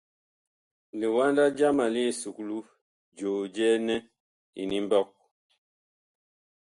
Liwanda jama li esuklu, joo jɛɛ nɛ Inimɓɔg.